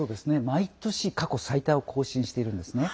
毎年、過去最多を更新しているんですね。